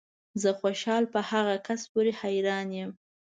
زه خوشحال په هغه کس پورې حیران یم